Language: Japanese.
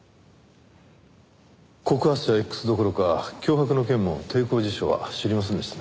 告発者Ｘどころか脅迫の件も帝光地所は知りませんでしたね。